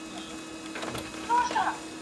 لو مني، خداى نه مني.